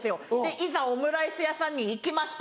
いざオムライス屋さんに行きました。